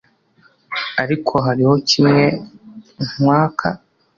ariko hariho kimwe nkwaka